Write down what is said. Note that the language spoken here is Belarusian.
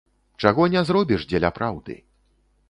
Чаго не зробіш дзеля праўды.